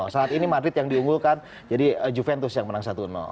saat ini madrid yang diunggulkan jadi juventus yang menang satu